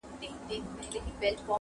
پلار له پوليسو سره ناست دی او مات ښکاري,